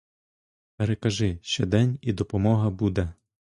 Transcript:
Перекажи: ще день — і допомога буде.